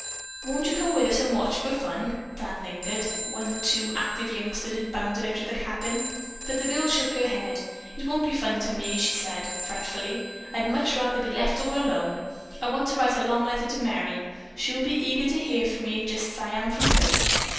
"Won't you come with us and watch the fun?" Dan lingered, when the two active youngsters had bounded out of the cabin. But the girl shook her head. "It wouldn't be fun to me," she said fretfully. "I'd much rather be left all alone. I want to write a long letter to Merry. She will be eager to hear from me, just as I am from her."